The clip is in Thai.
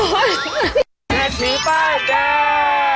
แม่ทิ้งป้าแดง